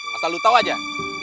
masa lu tau aja